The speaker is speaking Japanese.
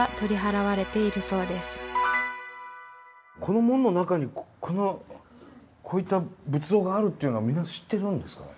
この門の中にこういった仏像があるっていうのはみんな知ってるんですかね？